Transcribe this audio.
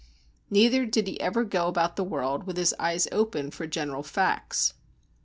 Neither did he ever go about the world with his eyes open for general facts.